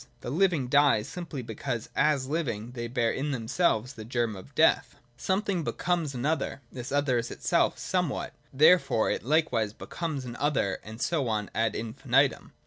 The living die, simply because as living they bear in them selves the germ of death. 93.] Something becomes an other : this other is itself somewhat : therefore it likewise becomes an other, and so on ad infinitum.